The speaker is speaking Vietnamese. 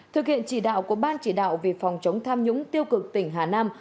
thực hiện chỉ đạo của ban chỉ đạo về phòng chống tham nhũng tiêu cực tỉnh hà nam